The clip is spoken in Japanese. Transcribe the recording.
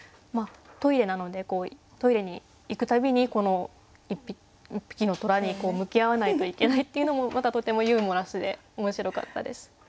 トイレなのでトイレに行くたびにこの１匹の虎に向き合わないといけないっていうのもまたとてもユーモラスで面白かったです。